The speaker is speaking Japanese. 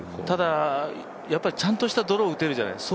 ただ、ちゃんとしたドローを打てるじゃない。